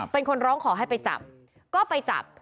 เป็นคนร้องขอให้ไปจับก็ไปจับ